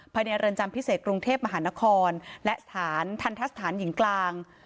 ภายในเรือนจำพิเศษกรุงเทพมหานครและสถานทันทะสถานหญิงกลาง